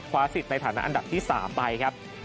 สิทธิ์ในฐานะอันดับที่๓ไปครับ